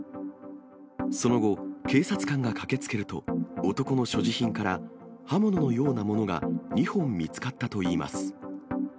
その後、警察官が駆けつけると、男の所持品から刃物のようなものが２本見つかったといいます。